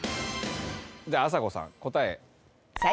じゃああさこさん答え。